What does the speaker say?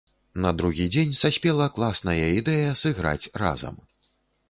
На другі дзень саспела класная, ідэя сыграць разам.